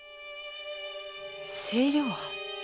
清涼庵？